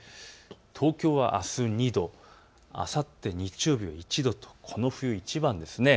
東京はあす２度、あさって日曜日は１度とこの冬いちばんですね。